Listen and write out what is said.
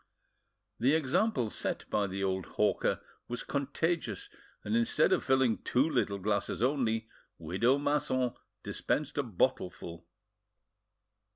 The example set by the old hawker was contagious, and instead of filling two little glasses only, widow Masson dispensed a bottleful.